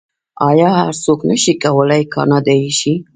آیا هر څوک نشي کولی کاناډایی شي؟